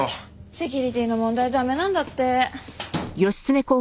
セキュリティーの問題で駄目なんだって。